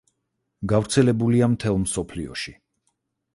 გავრცელებულია მთელ მსოფლიოში.